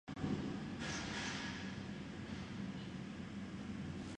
A menudo, el fruto de estas relaciones son amistades fuertes y duraderas.